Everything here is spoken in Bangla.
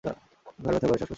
ঘাড় ব্যথা করে, শ্বাসকষ্ট হয়।